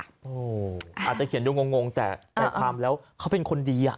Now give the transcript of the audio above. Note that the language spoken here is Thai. อาจจะเขียนดูงงแต่ความแล้วเขาเป็นคนดีอ่ะ